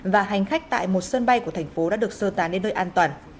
và hành khách tại một sân bay của thành phố đã được sơ tán đến nơi an toàn